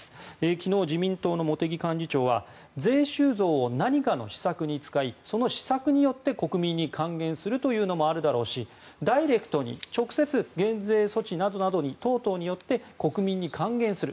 昨日、自民党の茂木幹事長は税収増を何かの施策に使いその施策によって、国民に還元するというのもあるだろうしダイレクトに直接減税措置などによって国民に還元する。